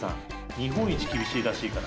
日本一厳しいらしいから。